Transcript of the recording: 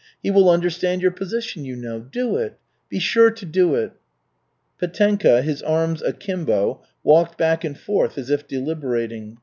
He will understand your position, you know. Do it. Be sure to do it." Petenka, his arms akimbo, walked back and forth as if deliberating.